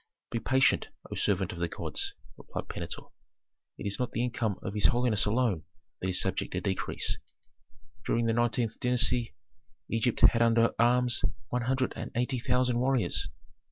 "Be patient, O servant of the gods," replied Pentuer. "It is not the income of his holiness alone that is subject to decrease. During the nineteenth dynasty Egypt had under arms one hundred and eighty thousand warriors.